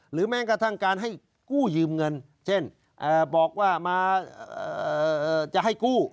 แม้กระทั่งการให้กู้ยืมเงินเช่นบอกว่ามาจะให้กู้